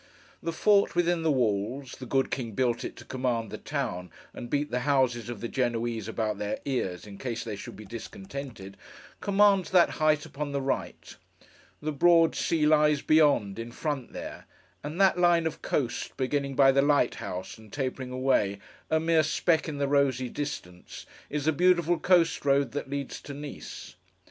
The Fort within the walls (the good King built it to command the town, and beat the houses of the Genoese about their ears, in case they should be discontented) commands that height upon the right. The broad sea lies beyond, in front there; and that line of coast, beginning by the light house, and tapering away, a mere speck in the rosy distance, is the beautiful coast road that leads to Nice.